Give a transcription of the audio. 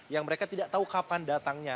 yang mereka tidak tahu kapan datangnya